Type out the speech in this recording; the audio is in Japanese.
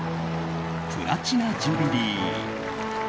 プラチナ・ジュビリー。